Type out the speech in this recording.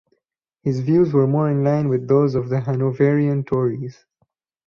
His views were more in line with those of the Hanoverian Tories.